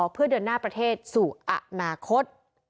เพื่อเดินหน้าประเทศสู่อนาคต